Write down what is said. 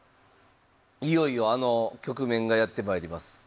いよいよあの局面がやってまいります。